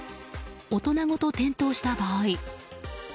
大人ごと転倒した場合。